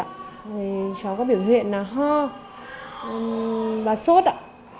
thì cháu có biểu hiện là ho và sốt ạ